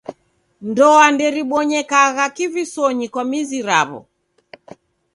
Ndoa nderibonyekagha kivisonyi kwa mizi raw'o.